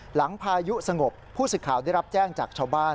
พายุสงบผู้สึกข่าวได้รับแจ้งจากชาวบ้าน